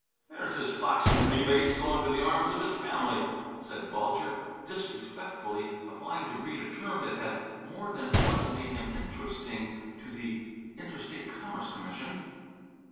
"There's his foxy Rebates going to the arms of his family," said Bulger, disrespectfully applying to Breede a term that had more than once made him interesting to the Interstate Commerce Commission.